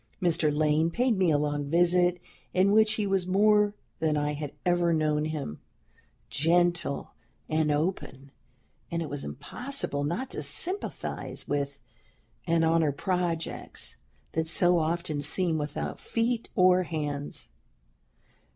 Mr. Lane paid me a long visit, in which he was more than I had ever known him gentle and open; and it was impossible not to sympathize with and honor projects that so often seem without feet or hands.